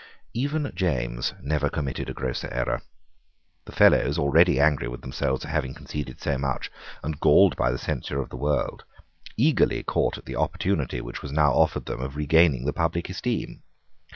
Even James never committed a grosser error. The Fellows, already angry with themselves for having conceded so much, and galled by the censure of the world, eagerly caught at the opportunity which was now offered them of regaining the public esteem.